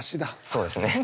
そうですね。